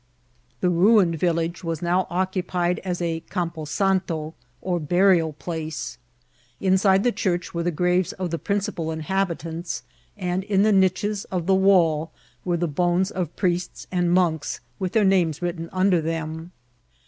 The ruined village was now occupied as a campo santo, or burial place ; inside the church were the graves of the principal inhabitants, and in the niches of the wall were the bones of priests and monks, with their names written under them.